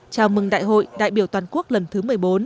chào mừng đại hội đại biểu toàn quốc lần thứ một mươi bốn